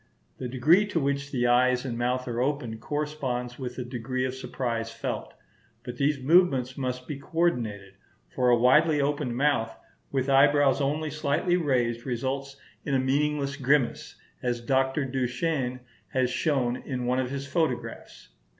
The degree to which the eyes and mouth are opened corresponds with the degree of surprise felt; but these movements must be coordinated; for a widely opened mouth with eyebrows only slightly raised results in a meaningless grimace, as Dr. Duchenne has shown in one of his photographs.